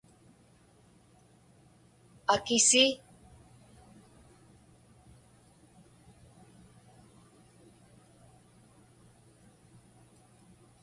akisi